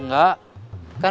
yang luang penuh kalau lewat